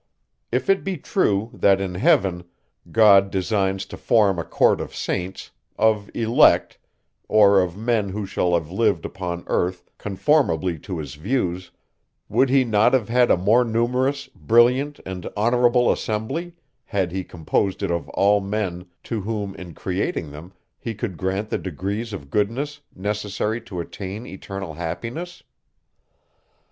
If it be true, that, in heaven, God designs to form a court of saints, of elect, or of men who shall have lived upon earth conformably to his views, would he not have had a more numerous, brilliant, and honourable assembly, had he composed it of all men, to whom, in creating them, he could grant the degree of goodness, necessary to attain eternal happiness?